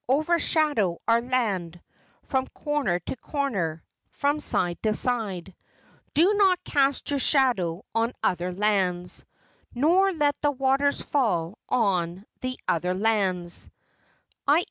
Overshadow our land From corner to corner From side to side. Do not cast your shadow on other lands Nor let the waters fall on the other lands [